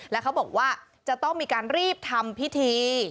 แล้วเขาบอกว่าจะต้องมีการรีบทำพิธี